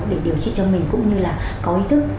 để điều trị cho mình cũng như là có ý thức